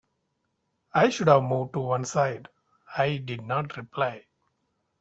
I should have moved to one side. I did not reply.